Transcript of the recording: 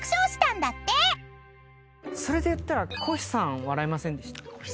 それでいったらコヒさん笑いませんでした？